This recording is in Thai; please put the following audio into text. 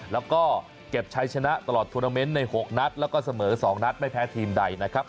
แล้วก็เก็บใช้ชนะตลอดทวนาเมนต์ใน๖นัดแล้วก็เสมอ๒นัดไม่แพ้ทีมใดนะครับ